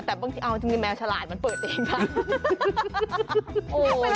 แต่บางทีเอ้ามีแมวฉลาดมันเปิดเอง